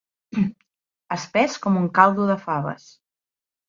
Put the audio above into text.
Espès com un caldo de faves.